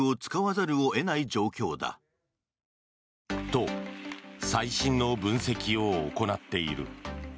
と、最新の分析を行っている。